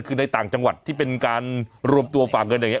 คือในต่างจังหวัดที่เป็นการรวมตัวฝากเงินอย่างนี้